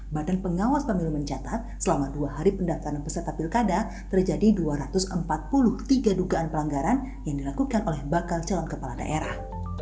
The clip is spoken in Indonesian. badan pengawas pemilu mencatat selama dua hari pendaftaran peserta pilkada terjadi dua ratus empat puluh tiga dugaan pelanggaran yang dilakukan oleh bakal calon kepala daerah